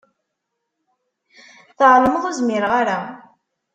Tεelmeḍ ur zmireɣ ara.